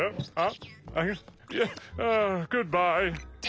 あっ！